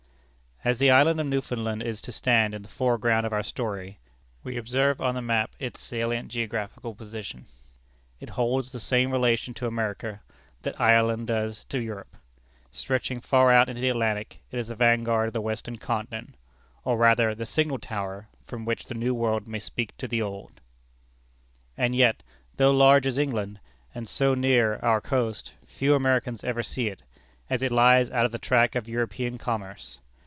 As the island of Newfoundland is to stand in the foreground of our story, we observe on the map its salient geographical position. It holds the same relation to America that Ireland does to Europe. Stretching far out into the Atlantic, it is the vanguard of the western continent, or rather the signal tower from which the New World may speak to the Old. And yet, though large as England, and so near our coast, few Americans ever see it, as it lies out of the track of European commerce.